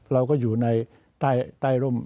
เราก็อยู่ในใต้ร่ม